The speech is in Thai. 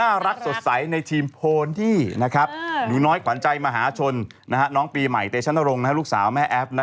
อะไรฉันยังไม่ได้ใบ้อะไรเลย